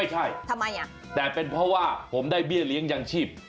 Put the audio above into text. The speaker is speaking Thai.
ใช่ทำไมแต่เป็นเพราะว่าผมได้เบี้ยเลี้ยงยังชีพ